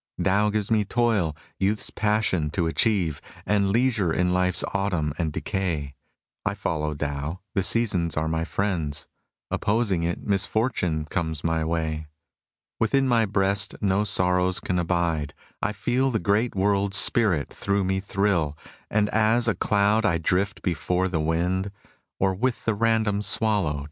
Tao gives me toil — ^youth's passion to achieve. And leisure in life's autumn and decay : I follow Tao, — the seasons are my friends ; Opposing it, misfortune comes my way. Within my breast no sorrows can abide, I feel the great world's spirit through me thrill ; And as a cloud I drift before the wind. Or with the random swallow take my will.